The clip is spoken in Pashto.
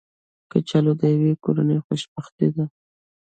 کچالو د یوې کورنۍ خوشبختي ده